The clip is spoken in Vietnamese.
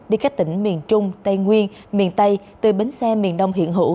đi các tỉnh miền trung tây nguyên miền tây từ bến xe miền đông hiện hữu